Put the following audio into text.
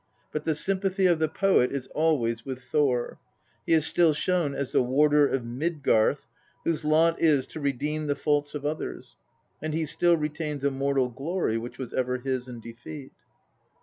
But the sympathy of the poet is always with Thor. He is still shown as the Warder of Midgarth, whose lot is to redeem the faults of others; and he still retains a mortal glory which was ever his in defeat.